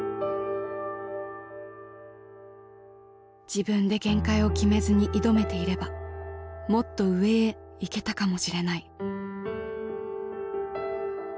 自分で限界を決めずに挑めていればもっと上へ行けたかもしれない。